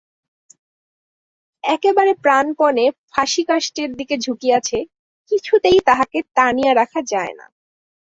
একেবারে প্রাণপণে ফাঁসিকাষ্ঠের দিকে ঝুঁকিয়াছে, কিছুতেই তাহাকে টানিয়া রাখা যায় না।